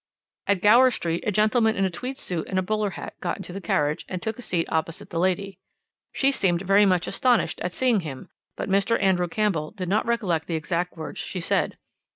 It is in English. "At Gower Street, a gentleman in a tweed suit and bowler hat got into the carriage, and took a seat opposite the lady. "She seemed very much astonished at seeing him, but Mr. Andrew Campbell did not recollect the exact words she said.